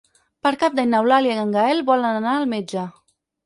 Per Cap d'Any n'Eulàlia i en Gaël volen anar al metge.